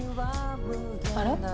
あれ？